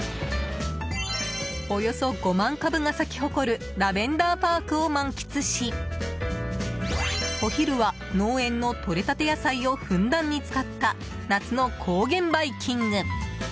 およそ５万株が咲き誇るラベンダーパークを満喫しお昼は、農園のとれたて野菜をふんだんに使った夏の高原バイキング。